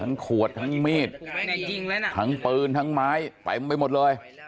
ทั้งขวดทั้งมีดทั้งปืนทั้งไม้ไฟมันไปหมดเลย